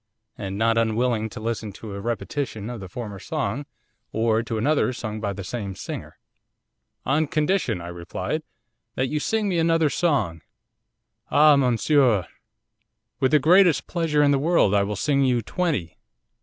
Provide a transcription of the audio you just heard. And not unwilling to listen to a repetition of the former song, or to another sung by the same singer. '"On condition," I replied, "that you sing me another song." '"Ah, monsieur, with the greatest pleasure in the world I will sing you twenty."